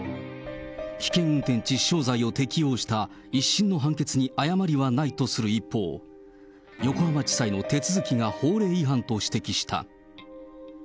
危険運転致死傷罪を適用した１審の判決に誤りはないとする一方、横浜地裁の手続きが法令違反と指摘した。